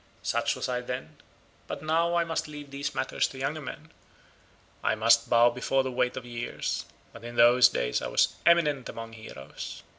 Such was I then, but now I must leave these matters to younger men; I must bow before the weight of years, but in those days I was eminent among heroes.